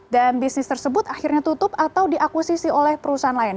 dan bisnis tersebut akhirnya tutup atau diakusisi oleh perusahaan lain